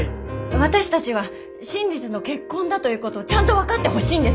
私たちは真実の結婚だということをちゃんと分かってほしいんです。